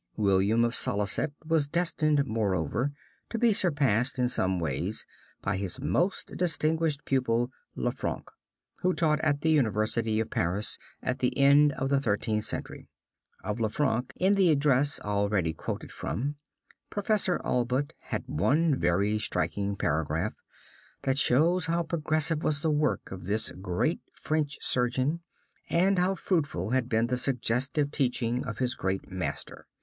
William of Salicet was destined, moreover, to be surpassed in some ways by his most distinguished pupil, Lanfranc, who taught at the University of Paris at the end of the Thirteenth Century. Of Lanfranc, in the address already quoted from, Professor Allbutt has one very striking paragraph that shows how progressive was the work of this great French surgeon, and how fruitful had been the suggestive teaching of his great master.